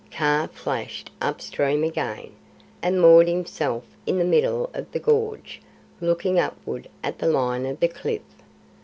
Kaa flashed up stream again, and moored himself in the middle of the gorge, looking upward at the line of the cliff.